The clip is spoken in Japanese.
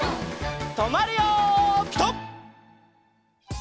とまるよピタ！